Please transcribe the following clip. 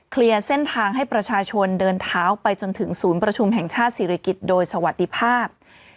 เคลียร์เส้นทางให้ประชาชนเดินเท้าไปจนถึงศูนย์ประชุมแห่งชาติศิริกิจโดยสวัสดีภาพ